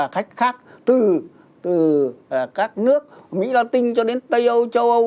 khách khác từ các nước mỹ latin cho đến tây âu châu âu